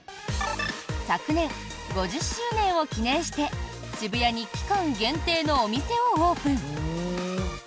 昨年、５０周年を記念して渋谷に期間限定のお店をオープン。